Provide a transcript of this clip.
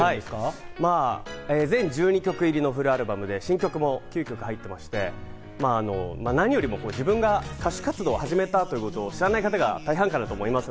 全１２曲入りのフルアルバムで新曲も９曲入ってまして、何よりも自分が歌手活動を始めたということを知らない方が大半かなと思います。